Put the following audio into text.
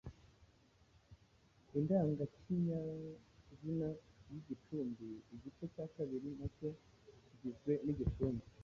indangakinyazina n’igicumbi, igice cya kabiri na cyo kigizwe n’igicumbi